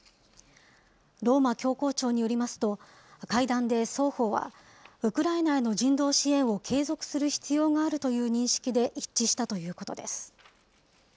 ローマ教皇庁によりますと、会談で双方は、ウクライナへの人道支援を継続する必要があるという認識で一致したということです。